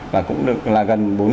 và cũng là gần bốn sáu trăm linh